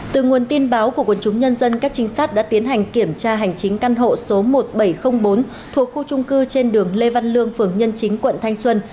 từ nguồn tin báo của quân chúng nhân dân các trinh sát đã tiến hành kiểm tra hành chính căn hộ số một nghìn bảy trăm linh bốn thuộc khu trung cư trên đường lê văn lương phường nhân chính quận thanh xuân